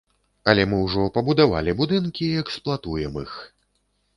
Але мы ўжо пабудавалі будынкі і эксплуатуем іх.